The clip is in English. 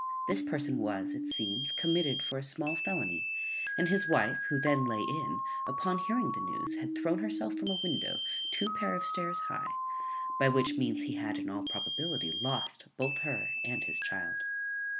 This person was, it seems, committed for a small felony; and his wife, who then lay in, upon hearing the news, had thrown herself from a window two pair of stairs high, by which means he had, in all probability, lost both her and his child.